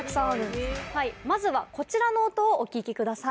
まずはこちらの音をお聞きください。